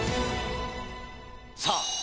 さあ